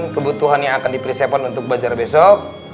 kebutuhan yang akan dipersiapkan untuk bazar besok